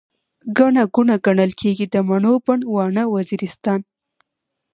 ګڼه ګوڼه، ګڼل کيږي، د مڼو بڼ، واڼه وزيرستان